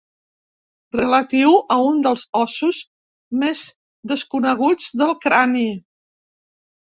Relatiu a un dels ossos més desconeguts del crani.